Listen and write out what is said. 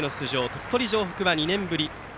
鳥取城北は２年ぶり。